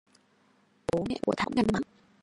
Bố mẹ của Thảo cũng ngạc nhiên lắm